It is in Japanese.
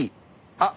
あっ。